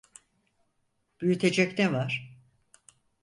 Büyütecek ne var?